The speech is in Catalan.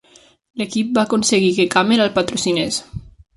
L'equip va aconseguir que Camel el patrocinés.